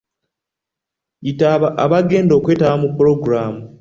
Yita abagenda okwetaba mu Pulogulaamu.